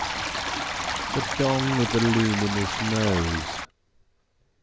THE DONG WITH A LUMINOUS NOSE.